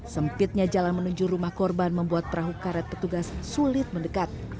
sempitnya jalan menuju rumah korban membuat perahu karet petugas sulit mendekat